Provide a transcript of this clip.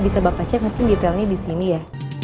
bisa bapak cek mungkin detailnya disini ya